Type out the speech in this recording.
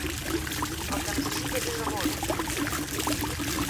El que necessites és amor!